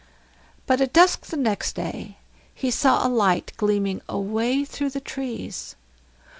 But at dusk the next day he saw a light gleaming away through the trees.